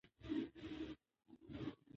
موږ باید د پوهې ډېوه هېڅکله مړه نه کړو.